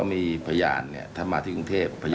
มีพระยานถ้ามาที่กรุงเทพัฒน์